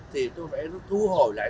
thì tôi phải thu hồi lại